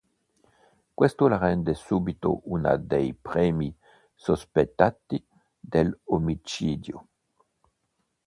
Questo la rende subito una dei primi sospettati dell'omicidio.